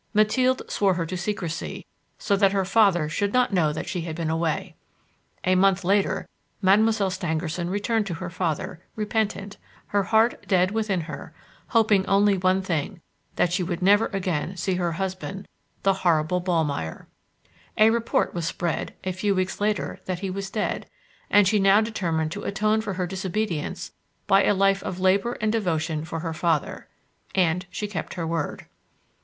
Mathilde swore her to secrecy, so that her father should not know she had been away. A month later, Mademoiselle Stangerson returned to her father, repentant, her heart dead within her, hoping only one thing: that she would never again see her husband, the horrible Ballmeyer. A report was spread, a few weeks later, that he was dead, and she now determined to atone for her disobedience by a life of labour and devotion for her father. And she kept her word.